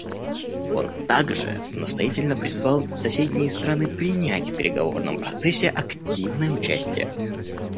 Он также настоятельно призвал соседние страны принять в переговорном процессе активное участие.